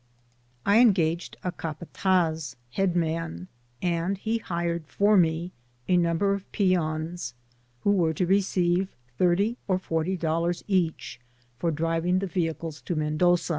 I engaged a capataz (head man), and he hired for me a number of peons, who were to receive thirty or forty dollars each for driving the vehicles to Mendoza.